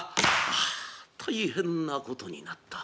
「ああ大変なことになった。